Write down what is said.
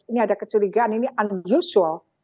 ini ada kecurigaan ini unusual